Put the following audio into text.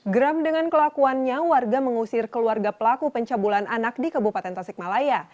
geram dengan kelakuannya warga mengusir keluarga pelaku pencabulan anak di kabupaten tasikmalaya